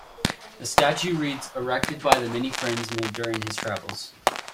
The statue reads "Erected by the many friends made during his travels".